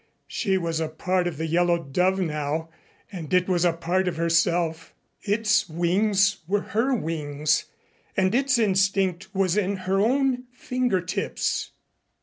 She was a part of the Yellow Dove now, and it was a part of herself. Its wings were her wings and its instinct was in her own fingertips.